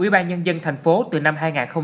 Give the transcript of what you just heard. ubnd tp hcm từ năm hai nghìn một mươi sáu